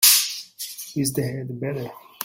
Is the head better?